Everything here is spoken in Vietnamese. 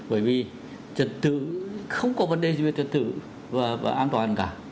bởi vì trật tự không có vấn đề gì về trật tự và an toàn cả